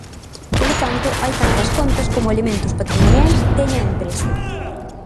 Polo tanto hai tantas contas como elementos patrimoniais teña a empresa.